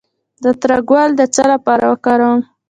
د تره ګل د څه لپاره وکاروم؟